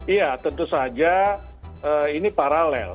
iya tentu saja ini paralel